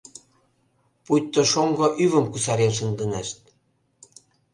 Пуйто шоҥго ӱвым кусарен шындынешт.